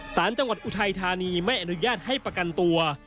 สารจังหวัดอุทัยธานีไม่อนุญาตให้ประกันตัว